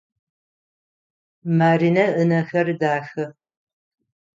Маринэ ынэхэр дахэ.